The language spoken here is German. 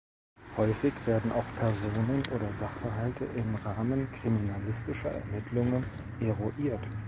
Häufig werden auch Personen oder Sachverhalte im Rahmen kriminalistischer Ermittlungen "eruiert".